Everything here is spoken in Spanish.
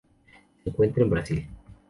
Se encuentra en Brasil